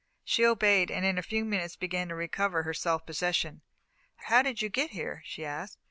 She obeyed, and in a few minutes began to recover her self possession. "How did you get here?" she asked.